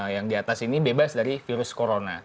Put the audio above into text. yang di atas ini bebas dari virus corona